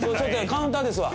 カウンターですわ！